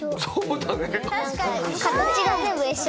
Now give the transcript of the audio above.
そうだね。